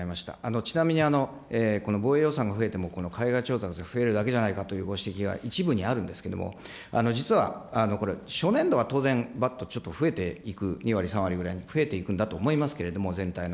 ちなみに、防衛予算が増えても、海外調達が増えるだけじゃないかというご指摘が一部にあるんですけれども、実は、これは初年度は当然、ばっとちょっと増えていく、２割３割ぐらいに増えていくんだと思いますけれども、全体の。